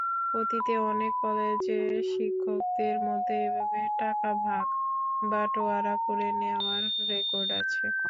অতীতে অনেক কলেজে শিক্ষকদের মধ্যে এভাবে টাকা ভাগ-বাঁটোয়ারা করে নেওয়ার রেকর্ড আছে।